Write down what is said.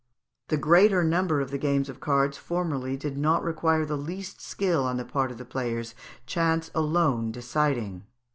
The greater number of the games of cards formerly did not require the least skill on the part of the players, chance alone deciding.